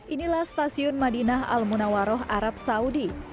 inilah stasiun madinah al munawaroh arab saudi